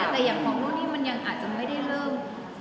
แต่อย่างของนู่นนี่มันยังอาจจะไม่ได้เริ่ม